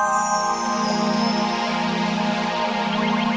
kau mau ngapain